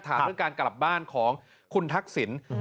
เรื่องการกลับบ้านของคุณทักษิณ